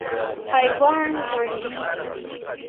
حیوان ژوندی دی.